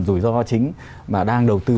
rủi ro chính mà đang đầu tư